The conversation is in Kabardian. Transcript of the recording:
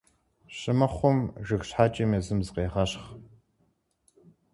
Щымыхъум, жыг щхьэкӀэм езым зыкъегъэщхъ.